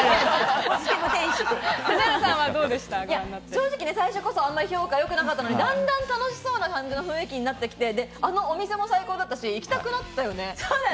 正直、最初こそ今日が良くなかったのに、だんだん楽しそうな雰囲気になってきて、お店も最高だったし、行きたくなったよね？